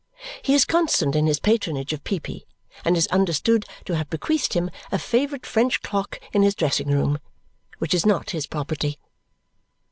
He is constant in his patronage of Peepy and is understood to have bequeathed him a favourite French clock in his dressing room which is not his property.